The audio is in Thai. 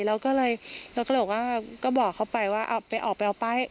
แล้วก็เลยแล้วก็เลยบอกว่าก็บอกเขาไปว่าออกไปเอาป้าย